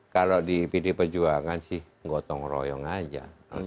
kalau di pd perjuangan sih gotong royong aja